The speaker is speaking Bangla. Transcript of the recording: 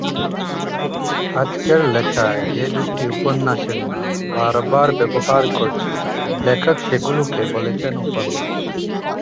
আজকের লেখায় যে দুটি উপন্যাসের নাম বারবার ব্যবহার করছি, লেখক সেগুলোকে বলছেন উপন্যাস।